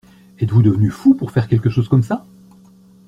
Êtes-vous devenu fou pour faire quelque chose comme ça ?